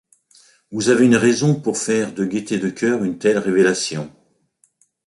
Vous avez une raison pour faire, de gaîté de cœur, une telle révélation.